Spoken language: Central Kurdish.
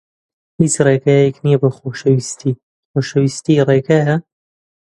هیچ ڕێگایەک نییە بۆ خۆشەویستی. خۆشەویستی ڕێگایە.